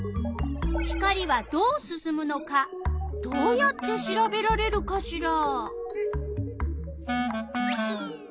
光はどうすすむのかどうやってしらべられるかしら？